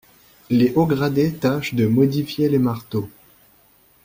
Les hauts gradés tâchent de modifier les marteaux.